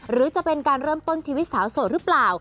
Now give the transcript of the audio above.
หรือจะเป็นการเริ่มต้นชีวิตสาวโสดหรือเปล่า